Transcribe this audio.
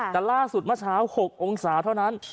แต่ล่าสุดเมื่อเช้า๖องศาเท่านั้น